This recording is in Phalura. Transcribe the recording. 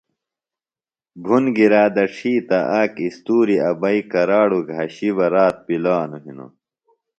بُھن گِرا دڇھی تہ آک اِستوریۡ ابئی کراڑوۡ گھشیۡ بہ رات پِلانوۡ ہِنوۡ